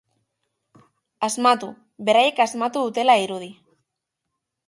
Asmatu, beraiek asmatu dutela dirudi.